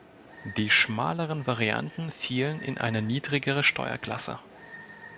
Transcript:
Die schmaleren Varianten fielen in eine niedrigere Steuerklasse.